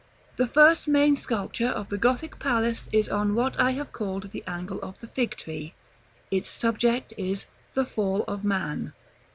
The first main sculpture of the Gothic Palace is on what I have called the angle of the Fig tree: Its subject is the FALL OF MAN.